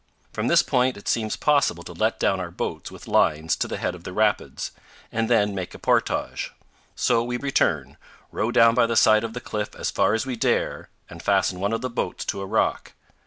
From this point it seems possible to let down our boats with lines to the head of the rapids, and then make a portage; so we return, row down by the side of the cliff as far as we dare, and fasten one of the boats to a rock.